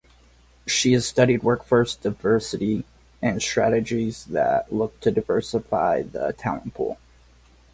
She has studied workforce diversity and strategies that look to diversify the talent pool.